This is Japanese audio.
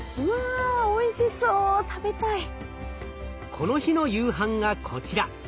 この日の夕飯がこちら。